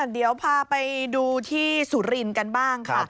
เดี๋ยวพาไปดูที่สุรินทร์กันบ้างค่ะ